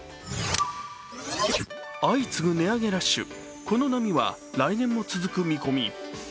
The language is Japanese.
相次ぐ値上げラッシュ、この波は来年も続く見込み。